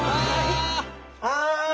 あ！